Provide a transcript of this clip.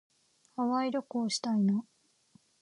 ハワイ旅行したいな。